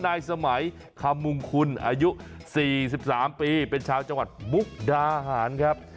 นายสมัยคำมุงคุณอายุ๔๓ปีเป็นชาวจังหวัดมุกดาหารครับ